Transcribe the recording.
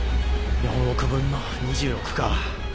４億分の２６か。